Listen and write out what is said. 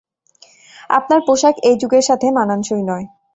আপনার পোশাক এ যুগের সাথে মানানসই নয়।